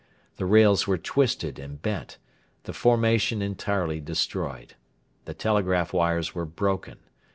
The rails were twisted and bent; the formation entirely destroyed. The telegraph wires were broken.